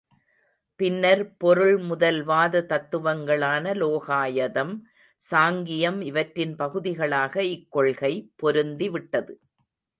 பின்னர் பொருள்முதல்வாத தத்துவங்களான லோகாயதம், சாங்கியம் இவற்றின் பகுதிகளாக இக்கொள்கை பொருந்திவிட்டது.